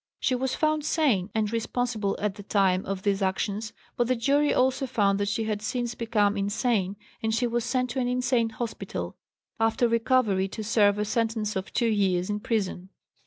She was found sane and responsible at the time of these actions, but the jury also found that she had since become insane and she was sent to an Insane Hospital, after recovery to serve a sentence of two years in prison.